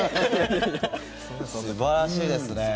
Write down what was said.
素晴らしいですね。